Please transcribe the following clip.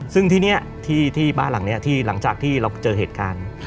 ซึ่งที่บ้านหลังนี้หลังจากที่เราเจอเหตุการณ์